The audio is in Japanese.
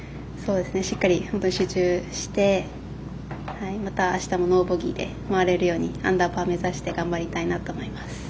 しっかり本当に集中してまたあしたもノーボギーで回れるようにアンダーパー目指して頑張りたいと思います。